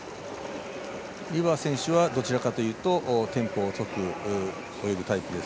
リバー選手はどちらかというとテンポをとって泳ぎタイプです。